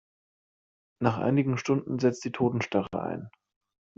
Nach einigen Stunden setzt die Totenstarre ein.